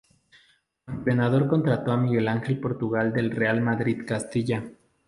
Como entrenador contrató a Miguel Ángel Portugal del Real Madrid Castilla.